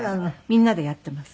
みんなでやってます。